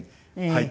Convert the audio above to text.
はい。